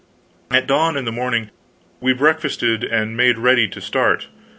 At dawn in the morning we breakfasted and made ready to start.